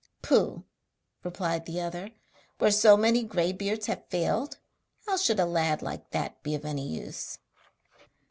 'Pooh!' replied the other, 'where so many grey beards have failed, how should a lad like that be of any use?'